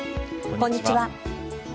こんにちは。